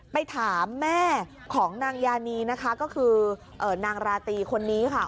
ไปถามแม่ของนางยานีนะคะก็คือนางราตรีคนนี้ค่ะ